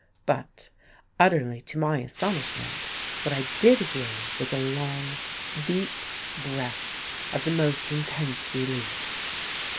But, utterly to my astonishment, what I did hear was a long, deep breath of the most intense relief.